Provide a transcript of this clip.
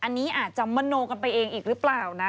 อันนี้อาจจะมโนกันไปเองอีกหรือเปล่านะ